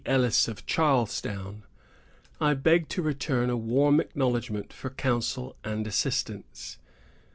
Ellis, of Charlestown, I beg to return a warm acknowledgment for counsel and assistance.